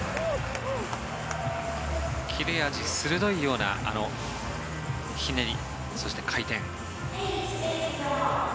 切れ味鋭いようなひねりそして回転。